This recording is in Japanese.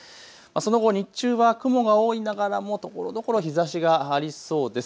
その後、日中は雲が多いながらもところどころ日ざしがありそうです。